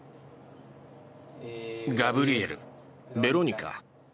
ガブリエルベロニカ。